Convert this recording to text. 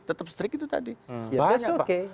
tetap strik itu tadi banyak pak